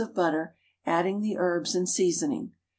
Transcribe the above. of butter, adding the herbs and seasoning.